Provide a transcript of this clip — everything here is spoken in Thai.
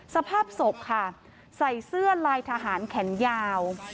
สภาพศพค่ะใส่เสื้อลายทหารแขนยาว